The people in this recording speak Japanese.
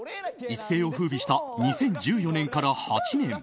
一世を風靡した２０１４年から８年。